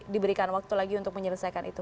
diberikan waktu lagi untuk menyelesaikan itu